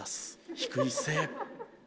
低い姿勢。